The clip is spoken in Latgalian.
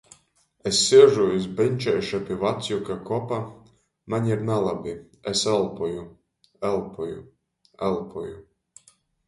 Es siežu iz beņčeiša pi vacjuka kopa, maņ ir nalabi, es elpoju, elpoju, elpoju.